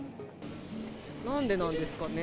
なんでなんですかね。